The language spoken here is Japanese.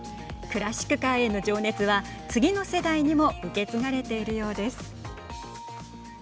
クラシックカーへの情熱は次の世代にも受け継がれているようです。